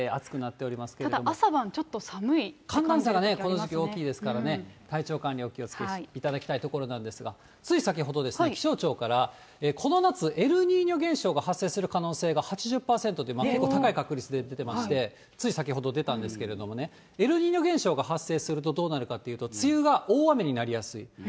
ただ朝晩、寒暖差がね、この時期大きいですからね、体調管理、お気をつけいただきたいところなんですが、つい先ほど気象庁からこの夏、エルニーニョ現象が発生する可能性が８０％と、結構高い確率で出てまして、つい先ほど出たんですけどもね、エルニーニョ現象が発生するとどうなるかというと、梅雨が大雨になりやすい。